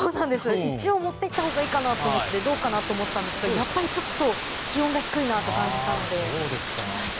一応持って行ったほうがいいかなと思ってどうかなと思ったんですがやっぱり気温が低いと感じたので着ないと。